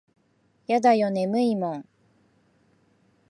やだよ眠いもん。